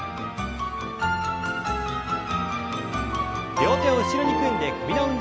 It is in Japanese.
両手を後ろに組んで首の運動。